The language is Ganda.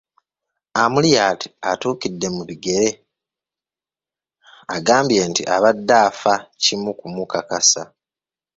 Amuriat atuukidde mu bigere, agambye nti abadde afa kimu kumukakasa.